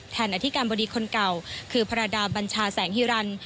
อธิการบดีคนเก่าคือพระดาบัญชาแสงฮิรันดิ